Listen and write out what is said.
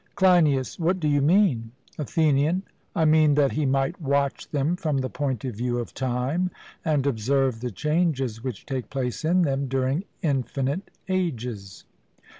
CLEINIAS: What do you mean? ATHENIAN: I mean that he might watch them from the point of view of time, and observe the changes which take place in them during infinite ages.